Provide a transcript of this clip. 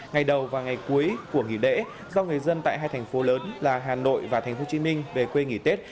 ngày đầu và ngày cuối của nghỉ lễ do người dân tại hai thành phố lớn là hà nội và tp hcm về quê nghỉ tết